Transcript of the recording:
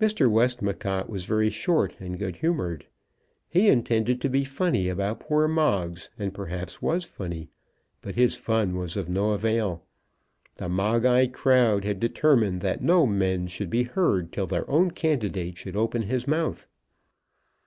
Mr. Westmacott was very short and good humoured. He intended to be funny about poor Moggs; and perhaps was funny. But his fun was of no avail. The Moggite crowd had determined that no men should be heard till their own candidate should open his mouth.